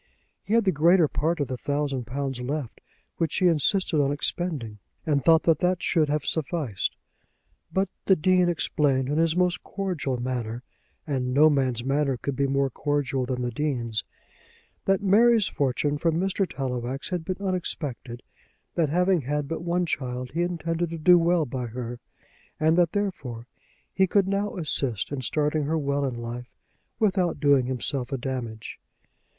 He had the greater part of the thousand pounds left, which he insisted on expending, and thought that that should have sufficed. But the Dean explained in his most cordial manner, and no man's manner could be more cordial than the Dean's, that Mary's fortune from Mr. Tallowax had been unexpected, that having had but one child he intended to do well by her, and that, therefore, he could now assist in starting her well in life without doing himself a damage.